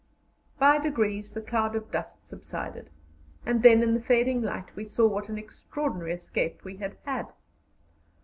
By degrees the cloud of dust subsided, and then in the fading light we saw what an extraordinary escape we had had.